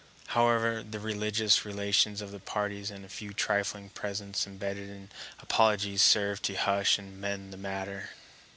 However, the religious relations of the parties and a few trifling presents embedded in apologies served to hush and mend the matter.